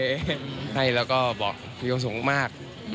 ที่ให้แล้วก็บอกมีความสุขมาก